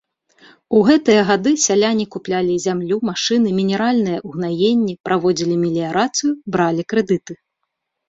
У гэтыя гады сяляне куплялі зямлю, машыны, мінеральныя ўгнаенні, праводзілі меліярацыю, бралі крэдыты.